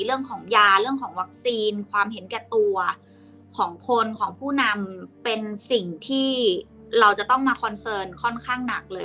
เรื่องของยาเรื่องของวัคซีนความเห็นแก่ตัวของคนของผู้นำเป็นสิ่งที่เราจะต้องมาคอนเสิร์ตค่อนข้างหนักเลย